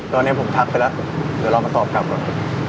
ตอนนี้ผมทักไปแล้วเดี๋ยวเรามาตอบกลับก่อน